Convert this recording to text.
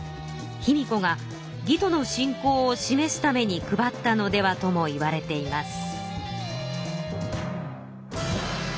卑弥呼が魏との親交を示すために配ったのではともいわれています。